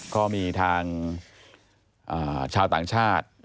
ก็มีทางชาวต่างชาติ